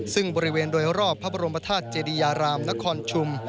ซึ่งบริเวณโดยรอบบรมภาพรมภาธาศเจดียารามนครชุ่ม